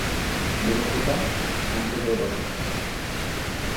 বুড়ো খোকা, শান্ত হয়ে বস!